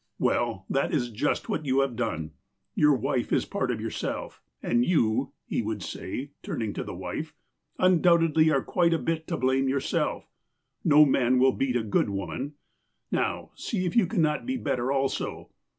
" Well, that is just what you have done. Your wife is part of yourself. And you," he would say, turning to the wife, " undoubtedly are quite a bit to blame yourself. No man will beat a good woman. Now, see if you can not be better also.